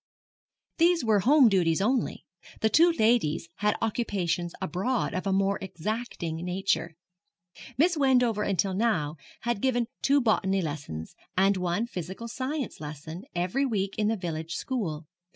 These were home duties only. The two ladies had occupations abroad of a more exacting nature. Miss Wendover until now had given two botany lessons, and one physical science lesson, every week in the village school.